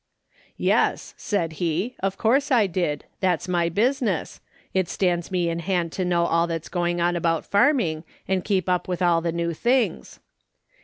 "' Yes,' said he, * of course I did ; that's my business ; it stands me in hand to know all that's going on about farming, and keep up with all the new things.'